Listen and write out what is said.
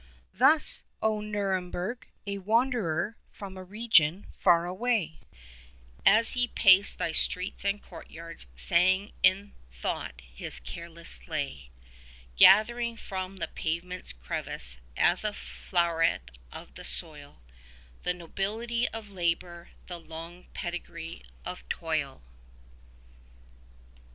Thus, O Nuremberg, a wanderer from a region far away, As he paced thy streets and court yards, sang in thought his careless lay: Gathering from the pavement's crevice, as a floweret of the soil, 51 The nobility of labour, the long pedigree of toil.